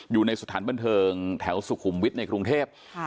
อยู่ในสถานบันเทิงแถวสุขุมวิทย์ในกรุงเทพ